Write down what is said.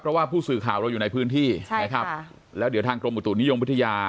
เพราะว่าผู้สื่อข่าวเราอยู่ในพื้นที่ใช่นะครับแล้วเดี๋ยวทางกรมอุตุนิยมวิทยา